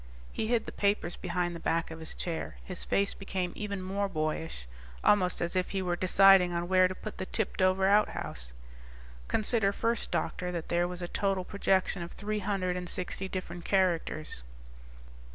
He hid the papers behind the back of his chair; his face became even more boyish, almost as if he were deciding on where to put the tipped over outhouse. "Consider first, doctor, that there was a total projection of three hundred and sixty different characters.